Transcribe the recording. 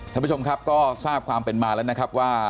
ท่านผู้ชมครับก็ทราบความเป็นมาแล้วนะครับว่า